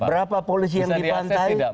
berapa polisi yang dibantai